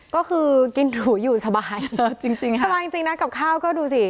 ก็คือกินถูอยู่สบายจริงค่ะสบายจริงนะกับข้าวก็ดูสิ